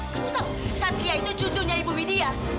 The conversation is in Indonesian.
kamu tahu satria itu cucunya ibu widya